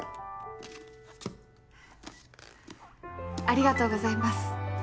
ありがとうございます。